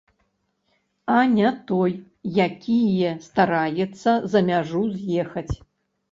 А не той, якія стараецца за мяжу з'ехаць.